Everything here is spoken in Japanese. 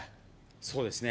そうですね。